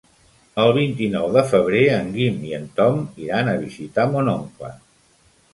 El vint-i-nou de febrer en Guim i en Tom iran a visitar mon oncle.